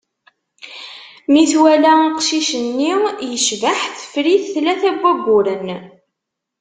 Mi twala aqcic-nni, yecbeḥ, teffer-it tlata n wagguren.